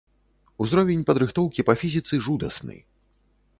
Узровень падрыхтоўкі па фізіцы жудасны.